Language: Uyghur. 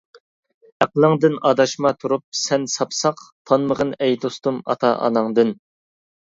ئەقلىڭدىن ئاداشما تۇرۇپ سەن ساپساق، تانمىغىن ئەي دوستۇم ئاتا-ئاناڭدىن.